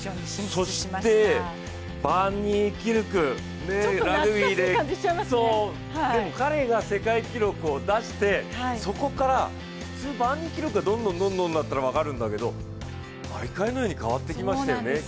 そしてバンニーキルク、彼が世界記録を出してそこから、普通、バンニーキルクがどんどんなったら分かるんだけど、毎回のように変わってきましたよね。